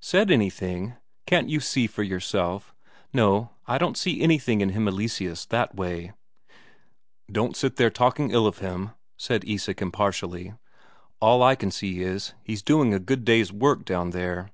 "Said anything? Can't you see for yourself? No, I don't see anything in him Eleseus, that way." "Don't sit there talking ill of him," said Isak impartially. "All I can see is, he's doing a good day's work down there."